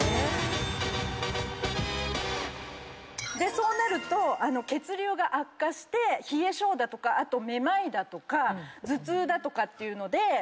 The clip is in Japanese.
そうなると血流が悪化して冷え性だとかあと目まいだとか頭痛だとかっていうので。